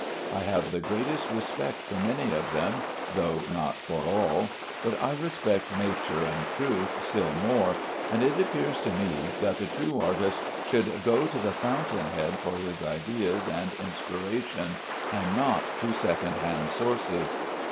I have the greatest respect for many of them, though not for all; but I respect nature and truth still more, and it appears to me that the true artist should go to the fountain head for his ideas and inspiration, and not to second hand sources.